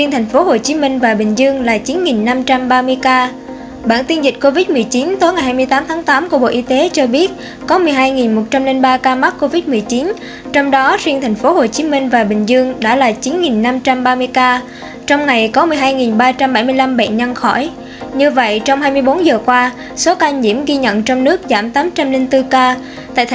hãy đăng ký kênh để ủng hộ kênh của chúng mình nhé